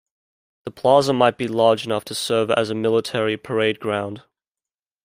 The plaza might be large enough to serve as a military parade ground.